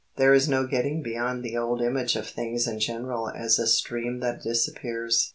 There is no getting beyond the old image of things in general as a stream that disappears.